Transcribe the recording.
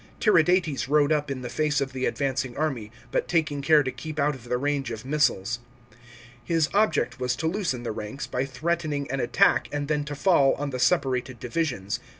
Tiridates rode up in the face of the advancing army, but taking care to keep out of the range of missiles. H>s object was to loosen the ranks, by threatening an attack, and then to fall on the separated divisions.